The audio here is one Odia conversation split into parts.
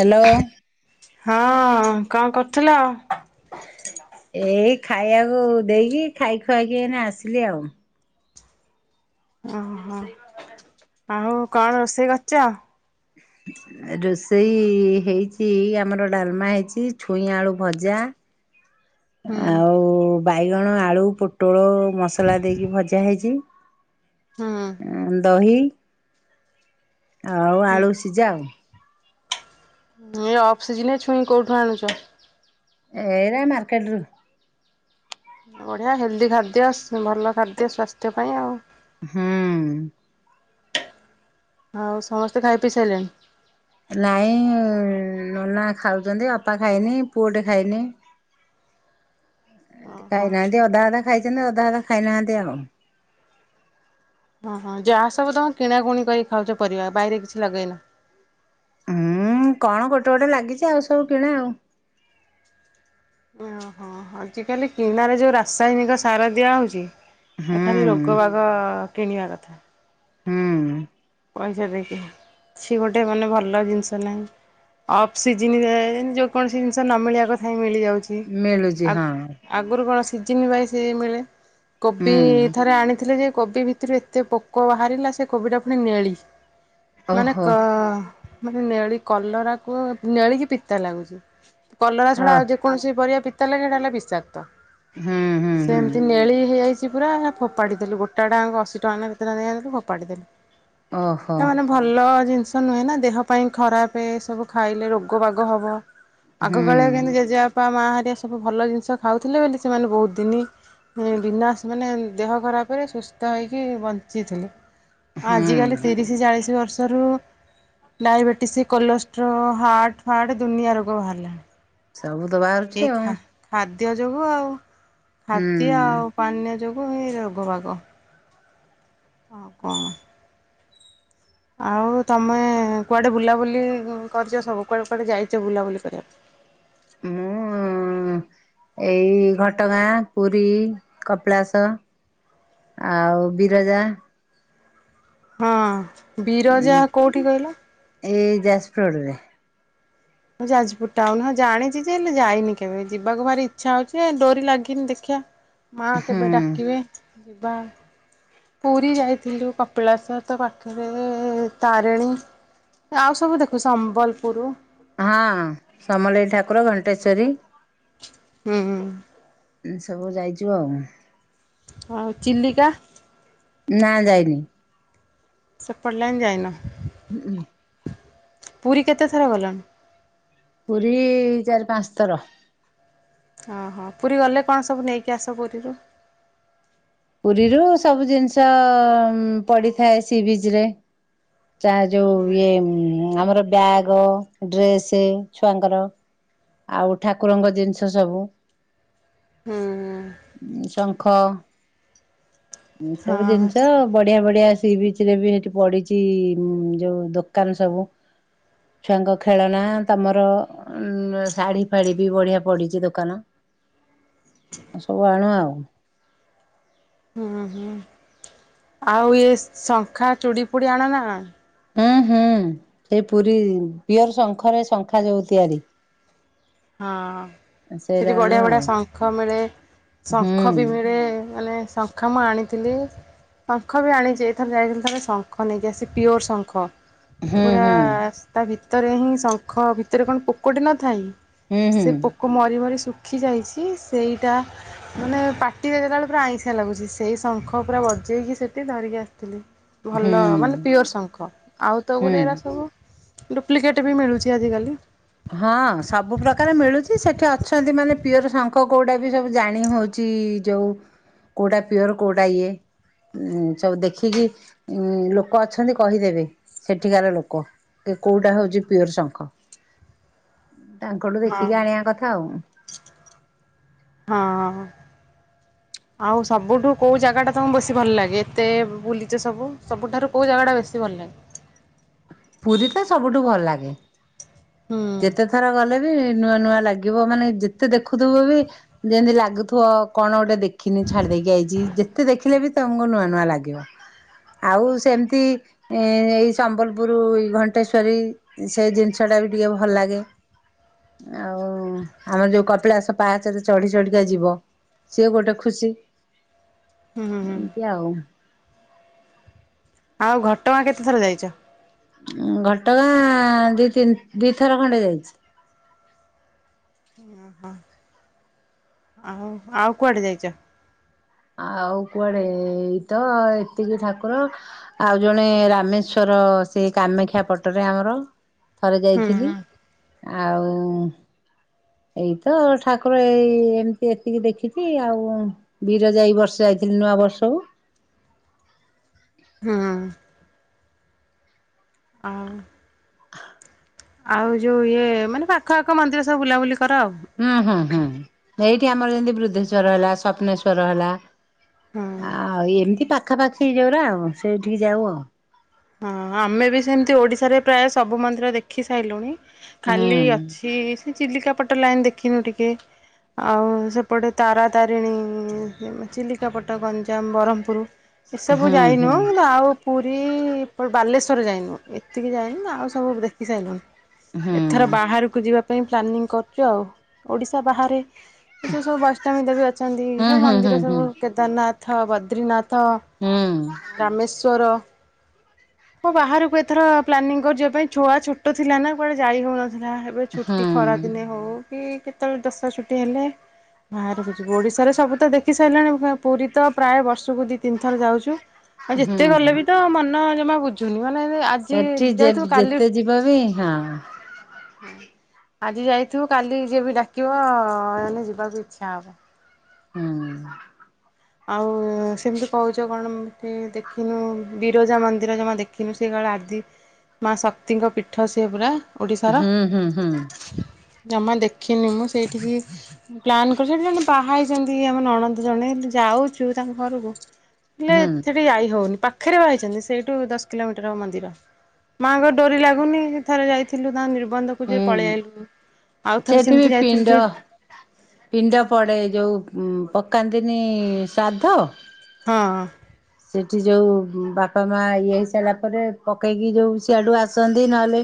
ହ୍ୟାଲୋ। ହଁ କଣ କରୁଥିଲ? ଏଇ ଖାଇବାକୁ ଦେଇକି ଖାଇ ଖୁଆଇକି ଏଇନା ଆସିଲି ଆଉ। ଓହୋ ଆଉ କଣ ରୋଷେଇ କରିଚ? ରୋଷେଇ ହେଇଛି ଆମର ଡାଲମା ହେଇଛି ଛୁଇଁ ଆଳୁ ଭଜା ହୁଁ ଆଉ ବାଇଗଣ ଆଳୁ ପୋଟଳ ମସଲା ଦେଇକି ଭଜା ହେଇଛି। ହୁଁ ଦହି। ଆଉ ହୁଁ ଆଳୁ ସିଝା ଆଉ। ଇଏ ଅଫ୍ ସିଜିିନ୍ ରେ ଛୁଇଁ କୋଉଠୁ ଆଣୁଛ? ଏଇ ମାର୍କେଟରୁ। ବଢ଼ିଆ ହେଲ୍ଦି ଖାଦ୍ୟ ସ୍ ଭଲ ଖାଦ୍ୟ ସ୍ୱାସ୍ଥ୍ୟ ପାଇଁ ଆଉ। ହୁଁ। ଆଉ ସମସ୍ତେ ଖାଇ ପିଇସାରିଲେଣି? ନାଇଁ ନନା ଖାଉଛନ୍ତି ଅପା ଖାଇନି ପୁଅଟେ ଖାଇନି। ଏମିତି ଓହୋ ଖାଇନାହାନ୍ତି ଅଧା ଅଧା ଖାଇଛନ୍ତି ଅଧା ଅଧା ଖାଇନାହାନ୍ତି ଆଉ। ଓହୋ ଯାହା ସବୁ ତମ କିଣାକୁଣି କରି ଖାଉଛ ପରିବା ବାଇରେ କିଛି ଲଗେଇନ? ହୁଁ କଣ ଗୋଟେ ଗୋଟେ ଲାଗିଛି ଆଉ ସବୁ କିଣା ଆଉ। ଓହୋ ଆଜିକାଲି କିଣାରେ ଯୋଉ ରାସାୟନିକ ସାର ଦିଆହଉଛି। ଆକୁ ଖାଲି ରୋଗ ହୁଁ। ବାଗ କିଣିବା କଥା। ହୁଁ। ପଇସା ଦେଇକିନା, କିଛି ଗୋଟେ ମାନେ ଭଲ ଜିନିଷ ନାହିଁ। ଅଫ୍ ସିଜିିନ ରେ ଯେକୌଣସି ଜିନିଷ ନ ମିଳିବା କଥା ବି ମିଳିଯାଉଛି। ମିଳୁଛି ଆଗ୍ ହଁ ଆଗରୁ କଣ ସିଜିନ୍ ୱାଇଜ ସେ ମିଳେ। କୋବି ହୁଁ ଥରେ ଆଣିଥିଲେ ଯେ କୋବି ଭିତରୁ ଏତେ ପୋକ ବାହାରିଲା ସେ କୋବି ଟା ମାନେ ନେଳି ମାନେ ଓହୋ କ ମାନେ ନେଳି କଲରାକୁ ନେଳିକି ପିତା ଲାଗୁଛି କଲରା ଅ ଛଡା ଆଉ ଜେକ୍ ଯେକୌଣସି ପରିବା ପିତା ଲାଗେ ସେଟା ହେଲା ବିଷାକ୍ତ ହୁଁ ହୁଁ ହୁଁ ସେମତି ନେଳି ହେଇଯାଇଛି ପୁରା। ଫୋପାଡ଼ି ଦେଲୁ ଗୋଟା ଟା ଆଙ୍କ ଅଶି ଟଙ୍କା ନା କେତେ ଟଙ୍କା ଦେଇ ଆଣିଥିଲୁ ଫୋପାଡ଼ି ଦେଲୁ। ଓହୋ। ତା ମାନେ ଭଲ ଜିନିଷ ନୁହେଁ ନା ଦେହ ପାଇଁ ଖରାପେ ଏ ସବୁ ଖାଇଲେ ରୋଗ ବାଗ ହବ। ହୁଁ ଆଗକାଳେ କିନ୍ତୁ ଜେଜେବାପା ମା ହେରିଆ ସବୁ ଭଲ ଜିନିଷ ଖାଉଥିଲେ ବୋଲି ସେମାନେ ବହୁତ ଦିନି ବିନାଶ ମାନେ ଦେହ ଖରାପରେ ସୁସ୍ଥ ହୋଇଇକି ବଞ୍ଚିଥିଲେ। ଆଜିକାଲି ହୁଁ ତିରିଶି ଚାଳିଶି ବର୍ଷରୁ ଡାଇବେଟିସ୍ କୋଲେଷ୍ଟ୍ରୋଲ ହାର୍ଟ ଫାର୍ଟ ଦୁନିଆ ରୋଗ ବାହାରିଲାଣି। ସବୁ ତ ବାହା ଏ ଖା ଖାଦ୍ୟ ଯୋଗୁ ଆଉ ଖାଦ୍ୟ ହୁଁ ଆଉ। ପାନୀୟ ଯୋଗୁଁ ହେଇ ରୋଗ ବାଗ। ଆଉ କଣ? ଆଉ ତମେ କୁଆଡେ ବୁଲାବୁଲି କରିଛ ସବୁ କୁଆଡେ କୁଆଡେ ଯାଇଛ ବୁଲାବୁଲି କରିବାକୁ? ମୁଁ ଏଇ ଘଟଗାଁ, ପୁରୀ, କପିଳାସ ଆଉ ବିରଜା ହଁ ବିରଜା କୋଉଠି କହିଲ? ଏଇ ଯାଜ ଫଡ଼ରେ। ଯାଜପୁର ଟାଉନ ହଁ ଜାଣିଛି ଯେ ହେଲେ ଯାଇନି କେବେ ଯିବାକୁ ଭାରି ଇଚ୍ଛା ହଉଛି ଡୋରି ଲାଗିନି ଦେଖିବା। ମା କେବେ ହୁଁ ଡାକିବେ ଯିବା। ପୁରୀ ଯାଇଥିଲୁ କପିଳାସ ତ ପାଖରେ ତାରିଣୀ। ଆଉ ସବୁ ଦେଖୁ ସମ୍ବଲପୁର। ହଁ ସମଲେଇଠାକୁର ଘଣ୍ଟେଶ୍ଵରୀ। ହୁଁ ଏ ସବୁ ଯାଇଛୁ ଆଉ। ଆଉ ଚିଲିକା। ନା ଯାଇନି। ସେପେଟ ଲାଇନ୍ ଯାଇନ? ହୁଁଁ ପୁରୀ କେତେ ଥର ଗଲଣି? ପୁରୀ ଚାରି ପାଞ୍ଚ ଥର। ହଁ ହଁ ପୁରୀ ଗଲେ କଣ ସବୁ ନେଇକି ଆସ ପୁରୀରୁ? ପୁରୀରୁ ସବୁ ଜିନିଷ ପଡିଥାଏ ସି ବିଚ ରେ। ଚା ଯୋଉ ଇଏ ଆମର ବ୍ୟାଗ ଡ୍ରେସ ଛୁଆଙ୍କର। ଆଉ ଠାକୁରଙ୍କ ଜିନିଷ ସବୁ। ହୁଁ ହୁଁ। ଶଙ୍ଖ ସବୁ ହଁ ଜିନିଷ ଆଉ। ବଢିଆ ବଢିଆ ସି ବିଚ ରେ ବି ଏଠି ପଢିଛି। ଯୋଉ ଦୋକାନ ସବୁ ଛୁଆଙ୍କ ଖେଳନା ତମର ଉଁ ଶାଢୀ ଫାଢି। ବି ବଢ଼ିଆ ପଡ଼ିଛି ଦୋକାନ ସବୁ ଆଣୁ ଆଉ। ହୁଁ ହୁଁ ଆଉ ଇଏ ଶଙ୍ଖା ଚୁଡ଼ି ଫୁଡି ଆଣନା ହୁଁ ହୁଁ ସେଇ ପୁରୀ ପିଓର ଶଙ୍ଖରେ ଶଙ୍ଖା ଯଉ ତିଆରି। ହଁ ସେଇରା ସେଠି ଆଣୁ ବଢ଼ିଆ ବଢ଼ିଆ ଆଉ। ଶଙ୍ଖ ମିଳେ ହୁଁ ଶଙ୍ଖ ବି ମିଳେ ମାନେ ଶଙ୍ଖ କାମ ଆଣିଥିଲି। ଶଙ୍ଖ ବି ଆଣିଛି ଏଥର ଯାଇଥିଲି ଥରେ ଶଙ୍ଖ ନେଇକି ଆସି ପିଓର ଶଙ୍ଖ। ହୁଁ ପୁରା ହୁଁ। ତା ଭିତରେ ହିଁ ଶଙ୍ଖ ଭିତରେ କଣ ପୋକଟି ନଥାଏ କି? ହୁଁ ସେ ହୁଁ ପୋକ ମରି ମରି ଶୁଖିଯାଇଛି ସେଇଟା ମାନେ ପାଟିରେ ଦେଲାବେଳେ ପୁରା ଆଇଁଷି ଲାଗୁଛି ସେଇ ଶଙ୍ଖ ପୁରା ବଜେଇକି ସେଠି ଧରିକି ଆସିଥିଲି। ଭଲ ହୁଁ ମାନେ ପିଓର ଶଙ୍ଖ ଆଉ ତ ଗୋରେ ହୁଁ ଏରା ସବୁ ଡୁପ୍ଲିକେଟ୍ ବି ମିଳୁଛି ଆଜିକାଲି। ହଁ ସବୁ ପ୍ରକାର ମିଳୁଛି ସେଠି ଅଛନ୍ତି ମାନେ ପିଓର ଶଙ୍ଖ କୋଉଟା ବି ସବୁ ଜାଣି ହଉଛି। ଯୋଉ କୋଉଟା ପିଓର କୋଉଟା ଇଏ। ଉଁ ସବୁ ଦେଖିକି ଉ ଲୋକ ଅଛନ୍ତି କହିଦେବେ ସେଠିକାର ଲୋକ। କି କେଉଁଟା ହେଉଛି ପିଓର ଶଙ୍ଖ। ତାଙ୍କଠୁ ହଁ ଦେଖିକି ଆଣିବା କଥା ଆଉ। ହଁ ଆଉ ସବୁଠୁ କେଉଁ ଜାଗାଟା ତମକୁ ବେଶୀ ଭଲ ଲାଗେ ଏତେ ବୁଲିଛେ ସବୁ ସବୁଠାରୁ କେଉଁ ଜାଗାଟା ବେଶୀ ଭଲ ଲାଗେ। ପୁରୀ ତ ସବୁଠୁ ଭଲ ଲାଗେ। ହୁଁ ଯେତେ ଥର ଗଲେ ବି ନୂଆ ନୂଆ ଲାଗିବ ମାନେ ଯେତେ ଦେଖୁଥିବ ବି ଯେମିତି ଲାଗୁଥିବ କଣ ଗୋଟେ ଦେଖିନି ଛାଡି ଦେଇକି ଆଇଛି ଯେତେ ଦେଖିଲେ ବି ତମକୁ ନୂଆ ନୂଆ ଲାଗିବ। ଆଉ ସେମିତି। ଏ ଏଇ ସମ୍ବଲପୁର ଘଣ୍ଟେଶ୍ଵରୀ ସେ ଜିନିଷ ଟା ବି। ପି ଅ ଭଲ ଲାଗେ। ଆଉ ଆମର ଯୋଉ କପିଳାସ ପାହାଚରେ ଚଢି ଚଢିକା ଯିବ। ସିଏ ଗୋଟେ ଖୁସି ହୁଁ ହୁଁ ଏମିତି ଆଉ। ଆଉ ଘଟଗାଁ କେତେ ଥର ଯାଇଛ। ଘଟଗାଁ ଦି, ତିନି ଦିଥର ଖଣ୍ଡେ ଯାଇଛି। ଅ ହଁ। ଆଉ କୁଆଡେ ଯାଇଛ। ଆଉ କୁଆଡେ ଏଇ ତ ଏତିକି ଠାକୁର। ଆଉ ଜଣେ ରାମେଶ୍ଵର ସେ କାମେକ୍ଷ୍ୟା ପଟରେ ଆମର। ଥରେ ହୁଁ ଯାଇଥିଲି ଆଉ। ଏଇ ତ ଠାକୁର ଏଇ ଏମିତି ଏତିକି ଦେଖିଛି ଆଉ। ବିରଜା ଏଇ ବର୍ଷେ ଯାଇଥିଲି ନୂଆବର୍ଷକୁ। ହଁ। ଆ। [unintelligible] ଆଉ ଯୋଉ ଇଏ ମାନେ ପାଖ, ଆଖ ମନ୍ଦିର ସବୁ ବୁଲାବୁଲି କର ଆଉ। ହୁଁ ହୁଁ ହୁଁ ଏଇଠି ଆମର ଯେମିତି ବୃଦ୍ଧେଶ୍ଵର ହେଲା ସପନେଶ୍ୱର ହେଲା। ହୁଁ ଆଉ ଏମିତି ପାଖାପାଖି ଯୋଉରା ଆଉ ସେଠିକି ଯାଉ ଆଉ। ହଁ ଆମେ ବି ସେମିତି ଓଡ଼ିଶାରେ ପ୍ରାୟ ସବୁ ମନ୍ଦିର ଦେଖି ସାଇ ଲୁଣି। ଖାଲି ଅଛି ସେ ଚିଲିକା ପଟ ଲାଇନ ଦେଖିନୁ ଟିକେ। ଆଉ ସେପଟେ ତାରାତାରିଣୀ ଚିଲିକାପଟ ଗଞ୍ଜାମ, ବ୍ରହ୍ମପୁର। ହୁଁ ଏସବୁ ହୁଁ ଯାଇନୁ ହୁଁ କିନ୍ତୁ ଆଉ ପୁରୀ, ବାଲେଶ୍ଵର ଯାଇନୁ ଏତିକି ଯାଇନି ନା ଆଉ ସବୁ ଦେଖି ସାଇ ଲୁଣି ଏଥର ହୁଁ। ବାହାରକୁ ଯିବା ସେ ପାଇଁ ପ୍ଲାନିଂ କରୁଛୁ ଆଉ ଓଡ଼ିଶା ବାହାରେ। ଏ ଯୋଉଁ ସବୁ ବୈଷ୍ଟମୀ ଦେବୀ ଅଛନ୍ତି ହୁଁ ସବୁ ହୁଁ ହୁଁ ମନ୍ଦିର ସବୁ କେଦାରନାଥ, ବଦ୍ରିନାଥ। ହୁଁ। ରାମେଶ୍ୱର। ମୋ ବାହାରକୁ ଏଥର ପ୍ଲାନିଂ କରିଛି ଯିବା ପାଇଁ ଛୁଆ ଛୋଟ ଥିଲା ନା କୁଆଡେ ଯାଇ ହଉନଥିଲା। ଏବେ ହୁଁ ଛୁଟି ଖରାଦିନେ ହଉ। ଛୁଟି କେତେବେଳେ ଦଶରା ଛୁଟି ହେଲେ ବାହାରି କି ଯିବୁ ଓଡିଶାରେ ସବୁ ତ ଦେଖି ସାଇଲୁଣି ପୁରୀ। ତ ପ୍ରାୟ ବର୍ଷକୁ ଦି ତିନି ଥର ଯାଉଛୁ ଆଉ ହୁଁ ଯେତେ ଗଲେ ହୁଁ। ବି ତ ମନ ଜମା ବୁ ଚୁନି ମାନେ ଆଜି ସେଠି ଯେ ଯାଇଥିବୁ କାଲି। ଯେତେ ଯିବ ବି ହଁ ହୁଁ ଆଜି ଯାଇଥିବୁ କାଲି ଯିଏ ବି ଡାକିବ ଯିବାକୁ ଇଚ୍ଛା ହବ। ହୁଁ। ଆଉ ସେମିତି କହୁଛ କଣ ଏମିତି ଦେଖିନୁ ବିରଜା ମନ୍ଦିର ଜମା ଦେ କିନ୍ତୁ ସେ କାଳେ ଆଦି ମା ଶକ୍ତିଙ୍କ ପୀଠ ସିଏ ପୁରା। ଓଡ଼ିଶାର। ହୁଁ ହୁଁ ହୁଁ ଜମା ଦେଖିନି ମୁଁ ସେଇଠିକି ପ୍ଲାନ୍ କରିଛ ସେଇଠି ଜଣେ ବାହା ହେଇଛନ୍ତି ଆମ ନଣନ୍ଦ ଜଣେ। ଯାଉଛୁ ତାଙ୍କ ଘରୁ କୁ ହେଲେ ହୁଁ ଏ ସେଠି ଯାଇ ହଉନି ପାଖ। ପାଖେ ରେ ବାହା ହେଇଛନ୍ତି ସେଇଠୁ ଦଶ କିଲୋମିଟର ହବ ମନ୍ଦିର। ମାଆଙ୍କ ଡୋରି ଲାଗୁନି ଥରେ ଯାଇଥିଲୁ ତା ନିର୍। ବନ୍ଧ କୁ ଯେ ହୁଁ ପଳେଇଆଇଲୁ ଆଉ ଥରେ ସେଠି ବି ସେମିତି ଯାଇଥିଲୁ ଯେ। ପିଣ୍ଡ ପିଣ୍ଡ ପଡ଼େ ଯେଉଁ ପକାନ୍ତିନି ଶ୍ରାଦ୍ଧ। ହଁଅଁ। ସେଇଠି ଯେଉ ବାପା ମା ଇଏ ହେଇସାରିଲା ପରେ ପକେଇକି ଯେଉ ସିଆଡ଼ୁ ଆସନ୍ତି ନହେଲେ।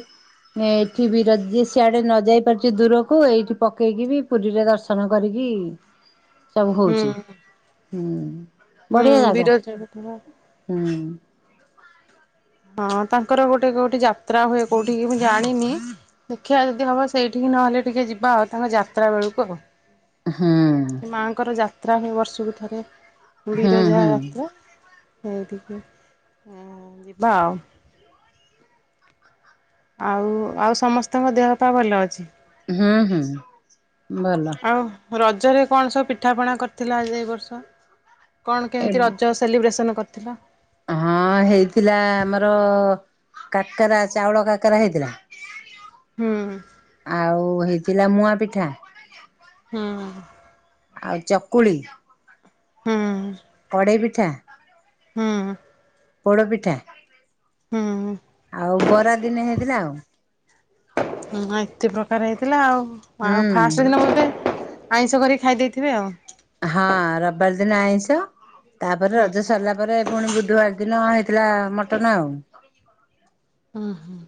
ଏଇଠି ବି ର ଯ ସିଆଡେ ନ ଯାଇ ପାରୁଛି ଦୂରକୁ ଏଇଠି ପକେଇକି ବି ପୁରୀରେ ଦର୍ଶନ କରିକି। ହଁ ସବୁ ହଉଛି ହୁଁ। ହୁଁ ବଢିଆ ଜାଗା ବିରଜା। ହୁଁ। ହଁ ତାଙ୍କର ଗୋଟେ କୋଉଠି ଯାତ୍ରା ହୁଏ କୋଉଠି କି ମୁଁ ଜାଣିନି। ଦେଖିବା ଯଦି ହବ ସେଇଠିକି ନହେଲେ ଟିକେ ଯିବା ଆଉ ତାଙ୍କ ଯାତ୍ରା ବେଳକୁ ଆଉ। ହଁଉ। ମାଆଙ୍କର ଯାତ୍ରା ହୁଏ ବର୍ଷକୁ ଥରେ ହୁଁ ବିରଜା ହୁଁ ଯାତ୍ରା। ସେଇଠିକି ହୁଁ ଯିବା ଆଉ। ଆଉ ଆଉ ସମସ୍ତଙ୍କ ଦେହ ପା ଭଲ ଅଛି। ହୁଁ ହୁଁ ଭଲ। ରଜରେ କଣ ସବୁ ପିଠା ପଣା କରିଥିଲ ଆଜି ଏ ବର୍ଷ କଣ ଏ କେମତି ରଜସେ। ସେଲିବ୍ରେସନ୍ କରିଥିଲ। ହଁ ହେଇଥିଲା ଆମର କାକରା ଚାଉଳ କାକରା ହେଇଥିଲା। ହୁଁ ଆଉ ହେଇଥିଲା ମୁଆ ପିଠା। ହୁଁ। ଆଉ ଚକୁଳି ହୁଁ କଡ଼େଇ ପିଠା। ହୁଁ। ପୋଡ ପିଠା ହୁଁ। ଆଉ ବରା ଦିନେ ହେଇଥିଲା ଆଉ। ହୁଁ ଏତେ ପ୍ରକାର ହେଇଥିଲା ଆଉ ଆଉ ଫାଷ୍ଟ ଦିନ ହୁଁ ବୋଧେ। ଆଇଁଷ କରିକି ଖାଇ ଦେଇଥିବେ ଆଉ। ହଁ ରବିବାର ଦିନ ଆଇଷ ତାପରେ ହୁଁ ରଜ ସରିଲା ପରେ। ପୁଣି ବୁଧବାର ଦିନ ହେଇଥିଲା ମଟନ ଆଉ। ଉଁ ହୁଁ।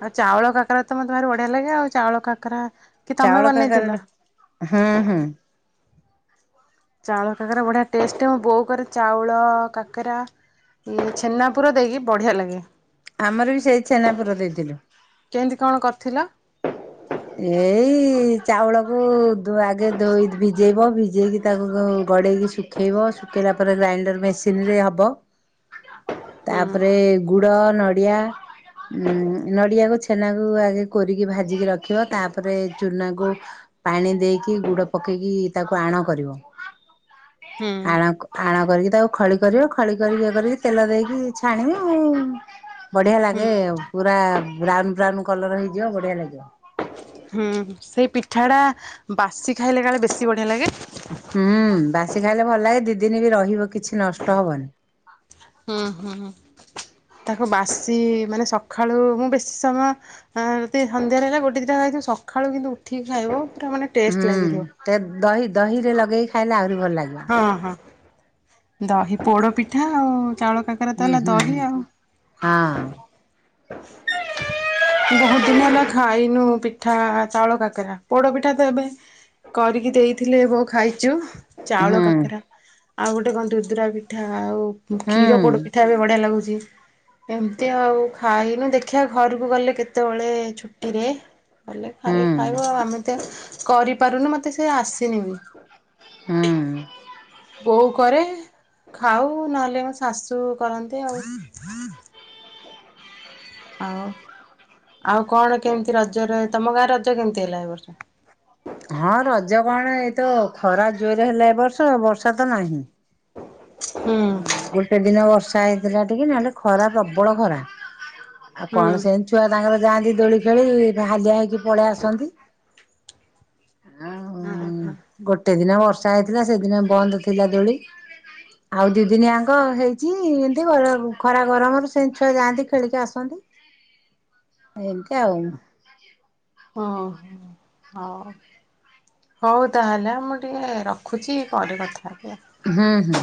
ଆଉ ଚାଉଳ କାକରା ତ ମତେ ଭାରି ବଢିଆ ଲାଗେ ଆଉ ଚାଉଳ କାକରା। କି ତମେ ଚାଉଳ ବନେଇଥିଲ? କାକେରାଟା ହୁଁ ହୁଁ। ଚାଉଳ କାକେରା ବଢିଆ ଟେଷ୍ଟ ମୋ ବୋଉ କରେ ଚାଉଳ କାକେରା। ଇ ଛେନାପୁର ଦେଇକି ବଢ଼ିଆ ଲାଗେ। ଆମର ବି ସେଇ ଛେନାପୁର ଦେଇଥିଲୁ। କେମିତି କଣ କରିଥିଲ। ଏଇ ଚାଉଳକୁ ଆଗେ ଧୋଇ ଭିଜେଇବ ଭିଜେଇକି। ତାକୁ ଗଡ଼େଇକି ଶୁଖେଇବ ଶୁଖେଇଲା ପରେ ଗ୍ରାଇଣ୍ଡର ମେସିନ ରେ ହବ। ହୁଁ ତାପରେ। ଗୁଡ ନଡ଼ିଆ ନଡ଼ିଆକୁ ଛେନାକୁ ଆଗେ କୋରି କି ଭାଜିକି ରଖି। ରଖିବ ତାପରେ ଚୁନାକୁ। ପାଣି ଦେଇକି ଗୁଡ ପକେଇକି ତାକୁ ଆଣ କରିବ। ହୁଁ ଆଣ ଆଣ କରିକି ତାକୁ। ଖଳି କରିବ ଖଳି କରି ଇଏ କରିକି ତେଲ ଦେଇକି ଛାଣିବ ବଢ଼ିଆ ହୁଁ ଲାଗେ ଆଉ। ପୁରା ବ୍ରାଉନ ବ୍ରାଉନ କଲର ହେଇଯିବ ବଢିଆ ଲାଗିବ। ହୁଁ ସେଇ ପିଠାଟା ବାସି ଖାଇଲେ କାଳେ ବେଶୀ ବଢିଆ ଲାଗେ। ହୁଁ ବାସି ଖାଇଲେ ଭଲ ଲାଗେ ଦି ଦିନ ବି ରହିବ କିଛି ନଷ୍ଟ ହବନି। ହୁଁ ହୁଁ ତାକୁ ବାସି ମାନେ ସକାଳୁ ମୁଁ ବେଶୀ ସମୟ। ହଁ ଯେତିକି ସନ୍ଧ୍ୟାରେ ହେଲା ଗୋଟେ ଦିଟା ଖାଇଥିବୁ ସକାଳୁ କିନ୍ତୁ ଉଠିକି ଖାଇବ ପୁରା ମାନେ ଟେଷ୍ଟ ଲାଗିଥିବ ତ ଦହି ଦହିରେ ଲଗେଇକି ଖାଇଲେ ଆହୁରି ଭଲ ଲାଗିବ ହଁ ହଁ ଦହି ପୋଡ ପିଠା ଆଉ ଚାଉଳ କାକ ହୁଁ ହୁଁ ହୁଁ ହଁ ବହୁତ ଦିନ ହେଲା ଖାଇନୁ ପିଠା ଚାଉଳ କାକରା ପୋଡ ପିଠା ତ ଏବେ କରିକି ଦେଇଥିଲେ ବୋଉ ଖାଇଛୁ ହୁଁ ଚାଉଳ କାକରା ଆଉ ଗୋଟେ କଣ ଦୁଦୁରା ପିଠା ଆଉ କ୍ଷୀର ହୁଁ। ପୋଡ ପିଠା ସେଟା ବି ବଢ଼ିଆ ଲାଗୁଛି ଏମିତି ଆଉ ଖାଇନୁ ଦେଖିଆ ଘରକୁ ଗଲେ କେତେବେଳେ ଛୁଟିରେ ହେଲେ ଖାଇ ଖାଇବ ହୁଁ ଆଉ ଆମେ ତ କରିପାରୁନୁ ମତେ ସେ ଆସିନି ବି ହୁଁ ବୋଉ କରେ ଖାଉ ନହେଲେ ମୋ ଶାଶୁ କରନ୍ତେ ଆଉ ଆଉ ଆଉ କଣ କେମିତି ରଜରେ ତମ ଗାଁରେ ରଜ କେମିତି ହେଲା ଏ ବର୍ଷ ହଁ ରଜ କଣ ଏଇତ ଖରା ଜୋରରେ ହେଲା ଏ ବର୍ଷ ବର୍ଷା ତ ନାହିଁ। ହୁଁ ଆଉ ଗୋଟେ ଦିନ ବର୍ଷା ହେଇଥିଲା ଟିକେ ନହେଲେ ଖରା ପ୍ରବଳ ଖରା ଆଉ ହୁଁ କଣ ସେମିତି ଛୁଆ ତାଙ୍କର ଯାଆନ୍ତି ଦୋଳି ଖେଳି ହାଲିଆ ହେଇକି ପଳେଇ ଆସନ୍ତି ଆଉ ହଁ ହଁ। ଗୋଟେ ଦିନ ବର୍ଷା ହେଇଥିଲା ସେଦିନ ବନ୍ଦ ଥିଲା ଦୋଳି ଆଉ ଦି ଦିନିଆଙ୍କ ହେଇଛି ଏମିତି ଖରା ଗରମରୁ ସେ ଛୁଆ ଯାଆନ୍ତି ଖେଳିକି ଆସନ୍ତି ହ [unintelligible] ଏମିତି ଆଉ। ହଁ ହଁ ହଉ ହଉ ତାହେଲେ ମୁଁ ଟିକେ ରଖୁଛି ପରେ କଥା ହେବି ହୁଁ ହୁଁ।